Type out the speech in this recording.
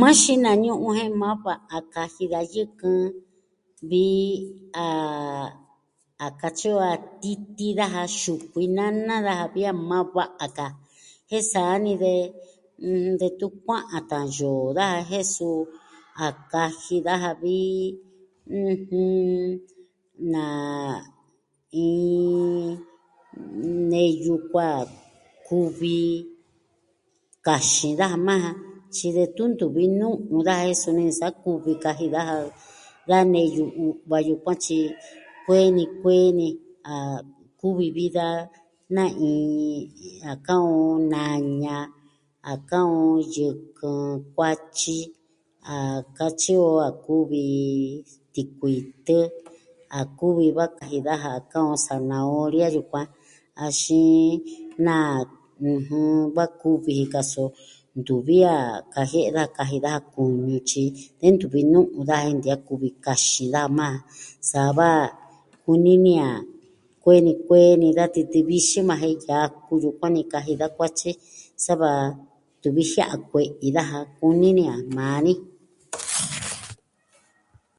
Maa xinañu'u jen maa va'a kaji da yɨkɨn vi a katyi o a titi daja. Xukui nana daja vi a maa va'a ka. Jen, sa'a ni de, ɨjɨn, detun kua'an tan yoo daja. Jen su, a kaji daja vi, ɨjɨn, na.. iin.. neyu kua kuvi... kaxi daja maa ja. Tyi detun ntuvi nu'u daja. Jen suni nsa'a kuvi kaji daja. da neyu u'va yukuan. Tyi, kueni kueni a kuvi vi da... na'in... a ka'an on naña. a ka'an on yɨkɨn kuatyi. A katyi o a kuvi tikuitɨ. A kuvi va'a kaji daja ka'an on sanaoria yukuan. Axin naa, ɨjɨn, va kuvi jika. So ntuvi a kajie'e da kaji daja kuñu. Tyi. De ntuvi nu'u daja jen ntiaa kuvi kaxi daja maa. Sava, kuni ni a kueni kueni da titɨ vixin maa jen yaku yukuan ni kaji da kuatyi. Sava tun viji a kue'i daja, kuni ni a maa ni.